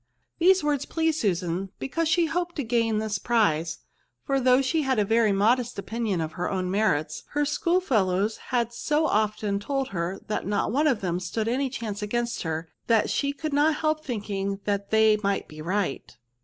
These words pleased Susan^ because she hoped to gain this prize ; for though she had a very modest opinion of Jier own merits, her schoolfellows had so often told her that not one of them stood any chance against her, that she could not help thinking they might be right.